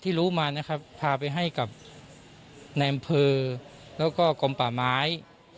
ที่รู้ว่าใช่มากมายพาไปให้กับแนนเพอและกรมป่าม้าย